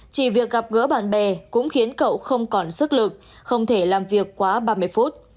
chỉ việc gặp gỡ bạn bè cũng khiến cậu không còn sức lực không thể làm việc quá ba mươi phút